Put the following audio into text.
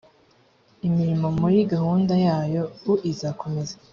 imirimo muri gahunda yayo uizakomeza